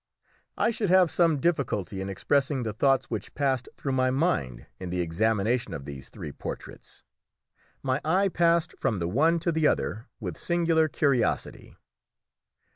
I should have some difficulty in expressing the thoughts which passed through my mind in the examination of these three portraits. My eye passed from the one to the other with singular curiosity.